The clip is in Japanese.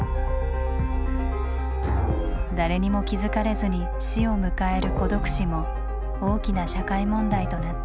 誰にも気付かれずに死を迎える「孤独死」も大きな社会問題となっています。